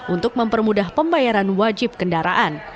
untuk mempermudah pembayaran wajib kendaraan